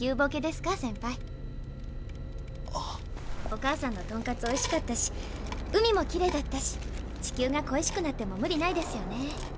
お母さんのトンカツおいしかったし海もきれいだったし地球がこいしくなっても無理ないですよね。